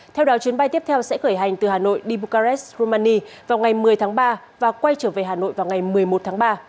theo đó chuyến bay tiếp theo sẽ khởi hành từ hà nội đi bukaras romani vào ngày một mươi tháng ba và quay trở về hà nội vào ngày một mươi một tháng ba